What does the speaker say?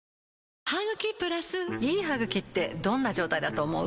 いい歯ぐきってどんな状態だと思う？